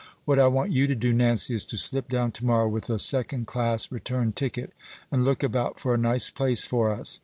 What I want you to do, Nancy, is to slip down tomorrow, with a second class return ticket, and look about for a nice place for us.